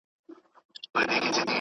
په لومړنیو زده کړو کي په بنیاد کار کېږي.